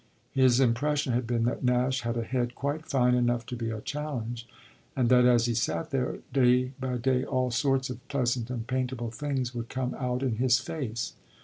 His impression had been that Nash had a head quite fine enough to be a challenge, and that as he sat there day by day all sorts of pleasant and paintable things would come out in his face.